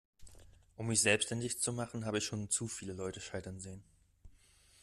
Um mich selbstständig zu machen, habe ich schon zu viele Leute scheitern sehen.